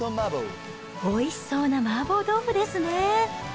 おいしそうな麻婆豆腐ですね。